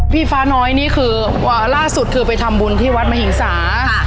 ฟ้าน้อยนี่คือล่าสุดคือไปทำบุญที่วัดมหิงสา